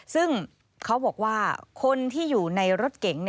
ซึ่งเขาบอกว่าคนที่อยู่ในรถเก๋ง